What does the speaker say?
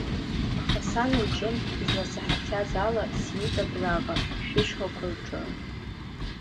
Аха сан лҿынтә изласаҳахьаз ала, сиит абраҟа, шәышьхақәа рҿы…